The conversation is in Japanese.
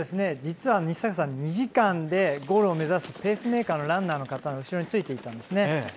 実は日坂さん２時間でゴールを目指すペースメーカーのランナーの方の後ろについていたんですね。